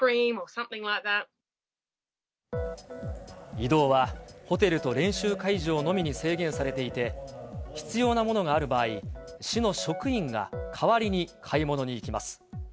移動はホテルと練習会場のみに制限されていて、必要なものがある場合、市の職員が代わりに買い物に行きます。